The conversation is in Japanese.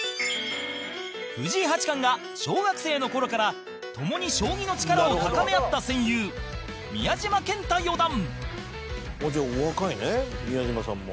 藤井八冠が小学生の頃からともに将棋の力を高め合った戦友宮嶋健太四段山崎：お若いね、宮嶋さんも。